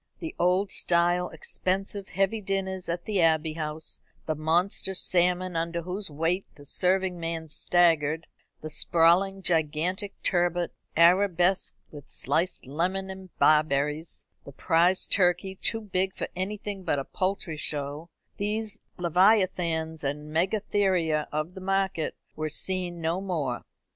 The old style expensive heavy dinners at the Abbey House: the monster salmon under whose weight the serving man staggered; the sprawling gigantic turbot, arabesqued with sliced lemon and barberries; the prize turkey, too big for anything but a poultry show; these leviathans and megatheria of the market were seen no more.